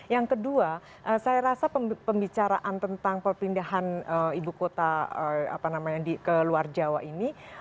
yang kedua saya rasa pembicaraan tentang perpindahan ibu kota ke luar jawa ini